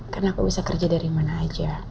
karena aku bisa kerja dari mana aja